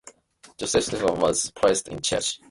Joseph Duvivier was placed in charge.